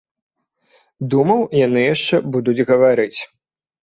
Думаў, яны яшчэ будуць гаварыць.